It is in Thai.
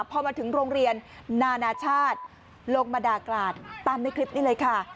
พอมาถึงโรงเรียนนานาชาติลงมาด่ากราศตามในคลิปนี้เลยค่ะ